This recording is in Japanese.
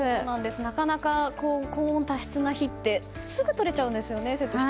なかなか高温多湿な日ってすぐとれちゃうんですよね。